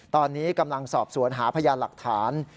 ตอนนี้กำลังสอบสวนหาพยานหลักฐาน